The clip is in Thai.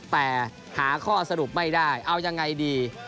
แต่หาข้อสรุปไม่ได้เอายังไงดี